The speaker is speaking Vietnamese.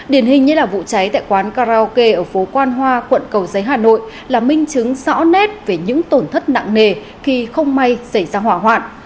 điển hình như là vụ cháy tại quán karaoke ở phố quan hoa quận cầu giấy hà nội là minh chứng rõ nét về những tổn thất nặng nề khi không may xảy ra hỏa hoạn